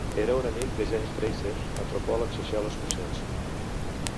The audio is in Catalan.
Era un amic de James Frazer, l'antropòleg social escocès.